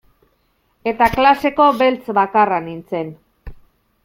Eta klaseko beltz bakarra nintzen.